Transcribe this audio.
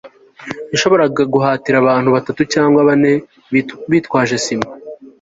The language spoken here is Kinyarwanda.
yashoboraga guhatira abantu batatu cyangwa bane bitwaje sima